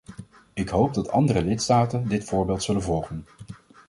Ik hoop dat andere lidstaten dit voorbeeld zullen volgen.